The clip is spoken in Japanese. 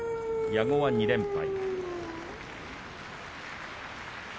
矢後は２連敗。